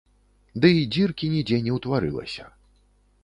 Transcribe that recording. Дый дзіркі нідзе не ўтварылася.